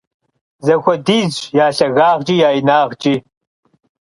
Zexuedizş ya lhagağç'i ya yinağç'i.